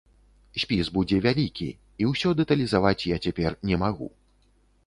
Спіс будзе вялікі, і ўсё дэталізаваць я цяпер не магу.